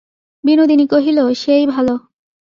বিনোদিনী কহিল, সেই ভালো।